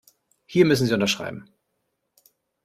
Hier müssen Sie unterschreiben.